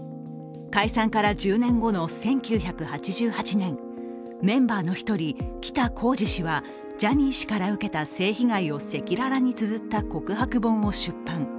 解散から１０年後の１９８８年、メンバーの１人、北公次氏はジャニー氏から受けた性被害を赤裸々につづった告白本を出版。